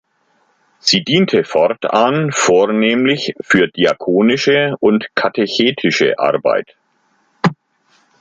Sie diente fortan vornehmlich für diakonische und katechetische Arbeit.